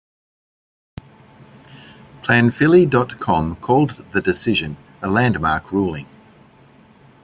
PlanPhilly dot com called the decision a landmark ruling.